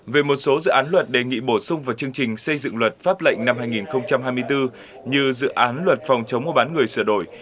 về một số dự án luật đề nghị bổ sung vào chương trình xây dựng luật pháp lệnh năm hai nghìn hai mươi bốn như dự án luật phòng chống mua bán người sửa đổi